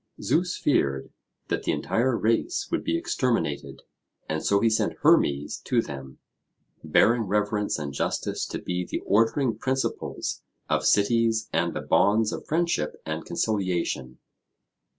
Zeus feared that the entire race would be exterminated, and so he sent Hermes to them, bearing reverence and justice to be the ordering principles of cities and the bonds of friendship and conciliation.